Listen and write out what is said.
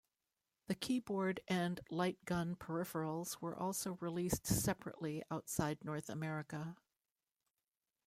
The keyboard and light gun peripherals were also released separately outside North America.